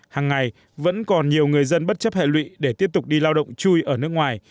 hàng ngày vẫn còn nhiều người dân bất chấp hệ lụy để tiếp tục đi lao động chui ở nước ngoài